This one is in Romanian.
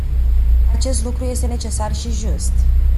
Acest lucru este necesar și just.